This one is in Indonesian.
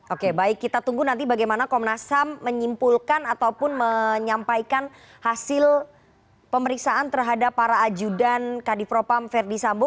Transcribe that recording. oke baik kita tunggu nanti bagaimana komnas ham menyimpulkan ataupun menyampaikan hasil pemeriksaan terhadap para ajudan kadifropam verdi sambo